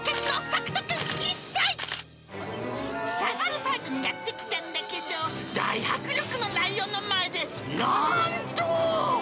サファリパークにやって来たんだけど、大迫力のライオンの前で、なんと。